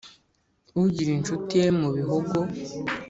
Ugira inshuti ye mu Bihogo